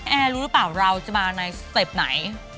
แอร์รู้หรือเปล่าเราจะมาในสเต็ปไหน